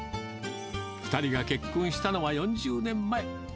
２人が結婚したのは４０年前。